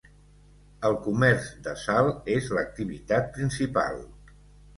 El comerç de sal és l'activitat principal.